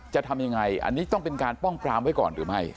จะทำยังไงอันนี้ต้องเป็นการป้องปรามไว้ก่อนหรือไม่